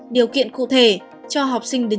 điều kiện cụ thể cho học sinh đến trường